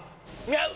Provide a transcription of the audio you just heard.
合う！！